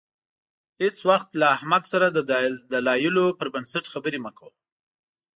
هېڅ وخت له احمق سره د دلایلو پر بنسټ خبرې مه کوه.